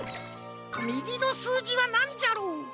みぎのすうじはなんじゃろう？